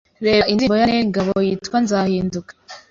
Reba indirimbo ya Nel Ngabo yitwa Nzahinduka